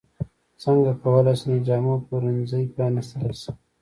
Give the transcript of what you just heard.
څنګه کولی شم د جامو پلورنځی پرانستلی شم